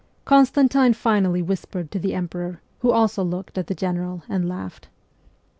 Constantine finally whispered to the emperor, who also looked at the general and laughed.